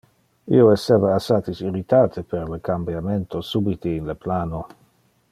Io esseva assatis irritate per le cambiamento subite in le plano.